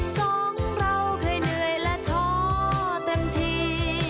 สองเราเคยเหนื่อยและท้อเต็มที